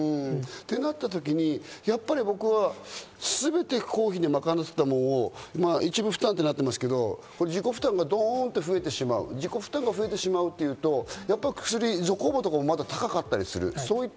となったときに、やっぱり僕はすべて公費で賄ってたものを一部負担となってますけど、自己負担がドンっと増えてしまう、自己負担が増えてしまうというと、やっぱりゾコーバとかもまだ高かったりする。